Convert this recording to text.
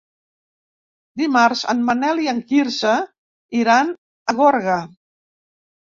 Dimarts en Manel i en Quirze iran a Gorga.